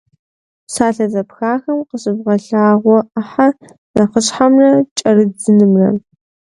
Псалъэ зэпхахэм къыщывгъэлъагъуэ ӏыхьэ нэхъыщхьэмрэ кӏэрыдзэнымрэ.